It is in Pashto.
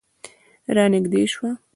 رانږدې شوه.